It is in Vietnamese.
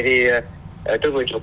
thì tôi vừa chụp